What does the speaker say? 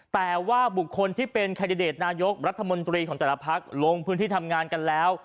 แต่ว่าบุคคลที่เป็นแคนดิเดตนายกรัฐมนตรีของแต่ละพักลงพื้นที่ทำงานกันแล้ว